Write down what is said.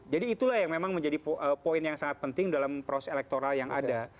jadi itulah yang memang menjadi poin yang sangat penting dalam proses elektoral yang ada